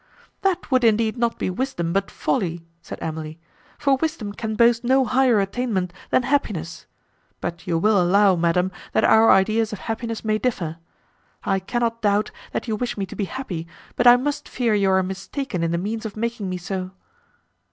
"That would indeed not be wisdom, but folly," said Emily, "for wisdom can boast no higher attainment than happiness; but you will allow, Madam, that our ideas of happiness may differ. I cannot doubt, that you wish me to be happy, but I must fear you are mistaken in the means of making me so."